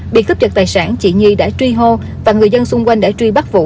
bị cướp giật tài sản chị nhi đã truy hô và người dân xung quanh đã truy bắt vụ